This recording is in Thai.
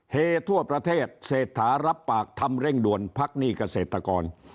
ทั่วประเทศเศรษฐารับปากทำเร่งด่วนพักหนี้เกษตรกร